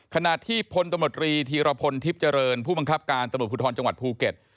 ขณะที่พลตำรวจรีธีรพลทิพย์เจริญผู้บังคับการตำรวจภูทรจังหวัดภูเก็ต